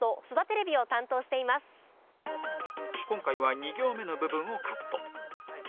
今回は２行目の部分をカット